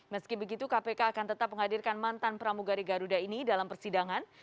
meski begitu kpk akan tetap menghadirkan mantan pramugari garuda ini dalam persidangan